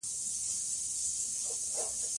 انتقادي نظمونه د نظم يو ډول دﺉ.